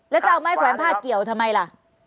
แล้วจะเอาไม้แขวนผ้าเกี่ยวทำไมล่ะ